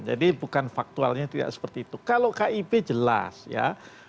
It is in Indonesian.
jadi bukan faktualnya tidak seperti itu kalau kib jelas ya